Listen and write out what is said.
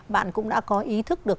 bạn cũng đã có ý thức được